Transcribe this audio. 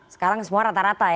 sekarang semua rata rata ya